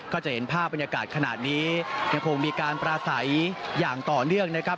ก็จะเห็นภาพบรรยากาศขนาดนี้ยังคงมีการปราศัยอย่างต่อเนื่องนะครับ